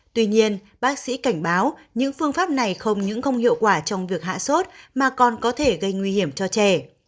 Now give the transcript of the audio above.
tuy nhiên bác sĩ cảnh báo những phương pháp này không những không hiệu quả trong việc hạ sốt mà còn có thể gây nguy hiểm cho trẻ